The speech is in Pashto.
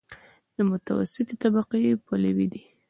د متوسطې طبقې پلوی دی.